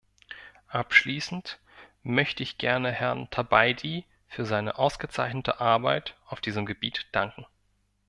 Abschließend möchte ich gerne Herrn Tabajdi für seine ausgezeichnete Arbeit auf diesem Gebiet danken.